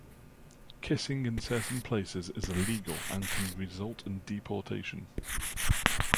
Kissing in certain places is illegal and can result in deportation.